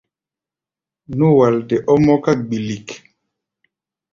Nú-walde ɔ́ mɔ́ká gbilik.